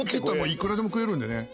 いくらでも食えるんでね。